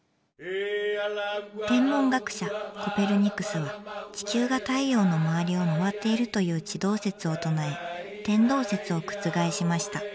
天文学者コペルニクスは地球が太陽の周りを回っているという地動説を唱え天動説を覆しました。